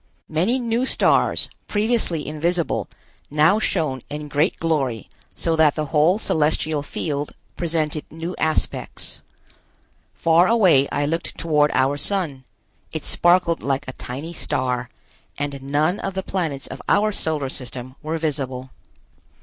Many new stars, previously invisible, now shone in great glory so that the whole celestial field presented new aspects. Far away I looked toward our Sun; it sparkled like a tiny star, and none of the planets of our Solar System were visible.